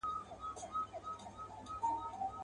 هی توبه چي ورور له ورور څخه پردی سي.